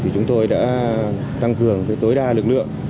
chúng tôi đã tăng cường tối đa lực lượng